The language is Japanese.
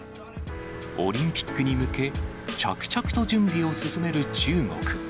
オリンピックに向け、着々と準備を進める中国。